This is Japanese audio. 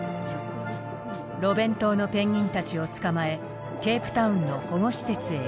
ロベン島のペンギンたちを捕まえケープタウンの保護施設へ輸送。